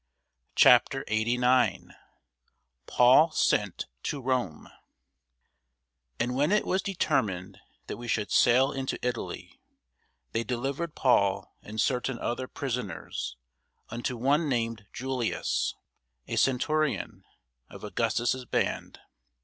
CHAPTER 89 PAUL SENT TO ROME AND when it was determined that we should sail into Italy, they delivered Paul and certain other prisoners unto one named Julius, a centurion of Augustus' band.